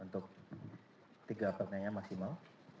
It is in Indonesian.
tiga pertanyaannya maksimal